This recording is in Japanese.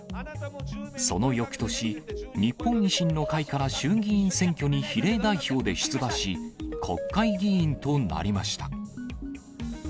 そのよくとし、日本維新の会から衆議院選挙に比例代表で出馬し、国会議員となりました。